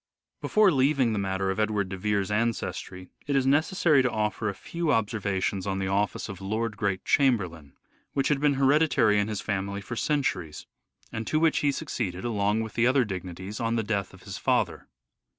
The Great Before leaving the matter of Edward de Vere's Chamberlain •.•«• r *.• ancestry, it is necessary to oner a few observations on the office of Lord Great Chamberlain, which had been hereditary in his family for centuries, and to which he succeeded, along with the other dignities, on the death of his father.